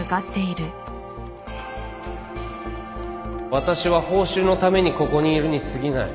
私は報酬のためにここにいるにすぎない